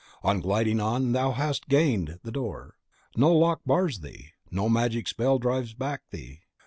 On, gliding on, thou hast gained the door; no lock bars thee, no magic spell drives thee back.